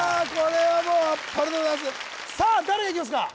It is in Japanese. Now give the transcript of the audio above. いやあさあ誰がいきますか？